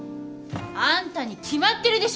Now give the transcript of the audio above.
あんたに決まってるでしょうが！